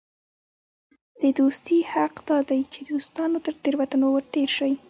د دوستي حق دا دئ، چي د دوستانو تر تېروتنو ور تېر سې.